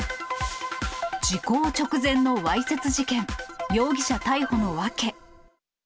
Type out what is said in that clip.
時効直前のわいせつ事件、容疑者逮捕の訳。